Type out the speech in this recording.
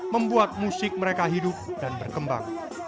membuat musik mereka hidup dan berkembang